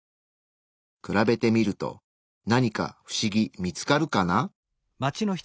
比べてみると何かフシギ見つかるかな？